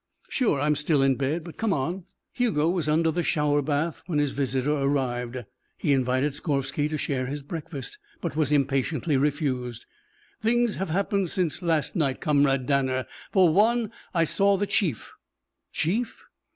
"Sure. I'm still in bed. But come on." Hugo was under the shower bath when his visitor arrived. He invited Skorvsky to share his breakfast, but was impatiently refused. "Things have happened since last night, Comrade Danner. For one, I saw the chief." "Chief?"